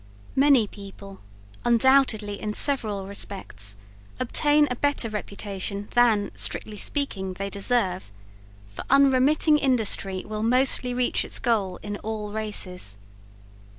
Many people, undoubtedly in several respects, obtain a better reputation than, strictly speaking, they deserve, for unremitting industry will mostly reach its goal in all races.